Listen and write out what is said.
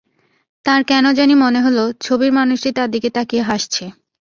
তাঁর কেন জানি মনে হলো, ছবির মানুষটি তার দিকে তাকিয়ে হাসছে।